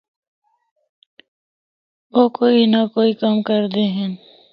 او کوئی نہ کوئی کم کردے ہن۔